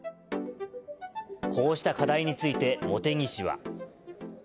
こうした課題について、茂木氏は。